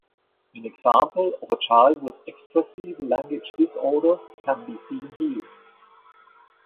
An example of a child with expressive language disorder can be seen here.